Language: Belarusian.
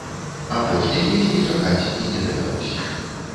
Апошняй песні чакаць і не давялося.